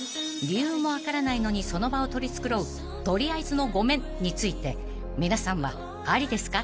［理由も分からないのにその場を取り繕う取りあえずの「ごめん」について皆さんはありですか？